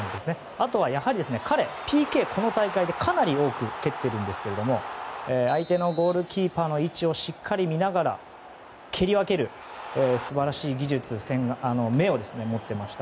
あとは、やはり彼はＰＫをこの大会でかなり多く蹴っているんですが相手のゴールキーパーの位置をしっかり見ながら蹴り分ける素晴らしい技術、目を持っていました。